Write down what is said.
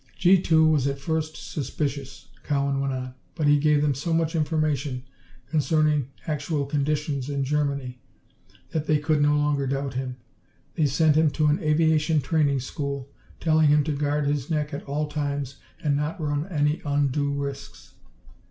"G 2 was at first suspicious," Cowan went on, "but he gave them so much information concerning actual conditions in Germany that they could no longer doubt him. They sent him to an aviation training school, telling him to guard his neck at all times and not run any undue risks.